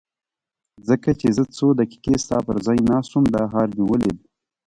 ځکه چې زه څو دقیقې ستا پر ځای ناست وم دا حال مې ولید.